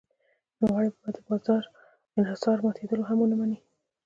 نوموړی به د بازار انحصار ماتېدل هم ونه مني.